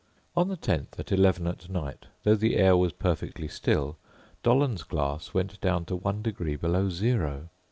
On the 10th, at eleven at night, though the air was perfectly still, Dollond's glass went down to one degree below zero!